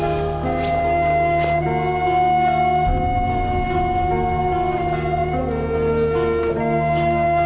aku mau bawa bapak pergi